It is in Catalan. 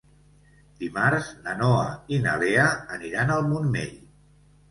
Dimarts na Noa i na Lea aniran al Montmell.